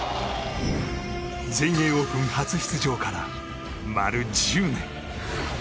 全英オープン初出場から丸１０年。